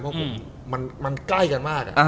เพราะมันใกล้กันมาก